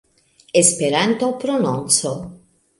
Esperanto-prononco